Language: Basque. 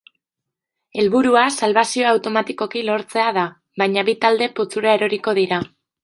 Helburua salbazioa automatikoki lortzea da, baina bi talde putzura eroriko dira.